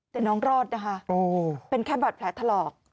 แต่น้องรอดนะคะเป็นแค่บาดแผลถลอก